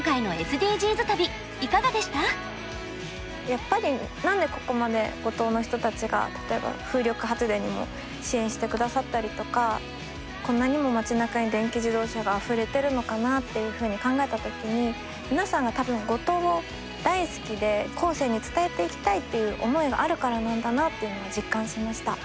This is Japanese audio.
やっぱり何でここまで五島の人たちが例えば風力発電にも支援してくださったりとかこんなにも町なかに電気自動車があふれてるのかなっていうふうに考えた時に皆さんが多分五島を大好きで後世に伝えていきたいっていう思いがあるからなんだなっていうのは実感しました。